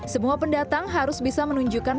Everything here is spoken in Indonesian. semua pendatang harus bisa menunjukkan